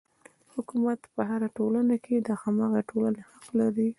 حکومت په هره ټولنه کې د هماغې ټولنې حق دی.